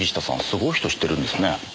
すごい人知ってるんですね。